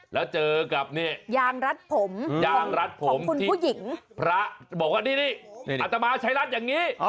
แล้วเจอกับยางรัดผมพระบอกว่าอาจมาใช้รัดอย่างนี้